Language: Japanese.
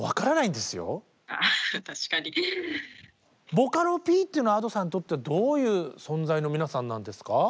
ボカロＰっていうのはＡｄｏさんにとってどういう存在の皆さんなんですか？